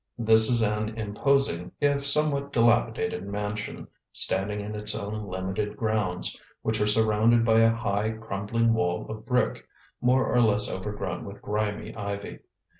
This is an imposing, if somewhat dilapidated mansion, standing in its own limited grounds, which are surrounded by a high crumbling wall of brick, more or less overgrown with grimy ivy.